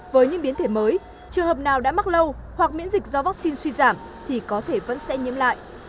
với những biến thể mới trường hợp nào đã mắc lâu hoặc miễn dịch do vaccine suy giảm thì có thể vẫn sẽ nhiễm lại